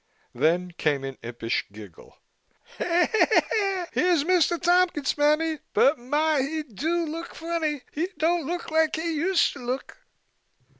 Then came an impish giggle. "Here's Mr. Tompkins, mammy, but my! he do look funny. He don' look like he used ter look."